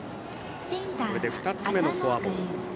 これで２つ目のフォアボール。